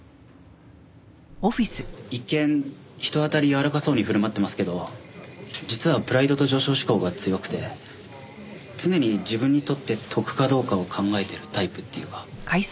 一見人当たり柔らかそうに振る舞ってますけど実はプライドと上昇志向が強くて常に自分にとって得かどうかを考えてるタイプっていうか。